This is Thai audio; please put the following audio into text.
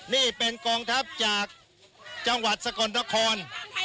นี่เป็นกองทัพจากจังหวัดสกลนคร